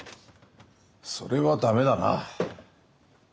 それは駄目だな。